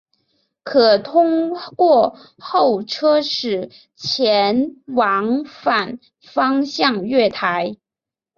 可通过候车室前往反方向月台。